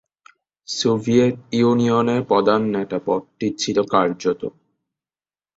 Soviet ইউনিয়নের প্রধান নেতা পদটি ছিল কার্যত।